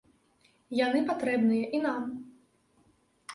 Яны патрэбныя і нам.